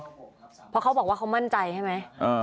เพราะเขาบอกว่าเขามั่นใจใช่ไหม